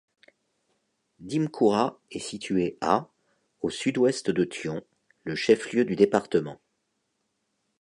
Dimkoura est situé à au Sud-Ouest de Thion, le chef-lieu du département.